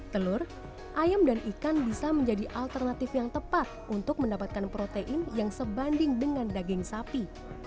telur ayam dan ikan bisa menjadi alternatif yang tepat untuk mendapatkan protein yang sebanding dengan daging sapi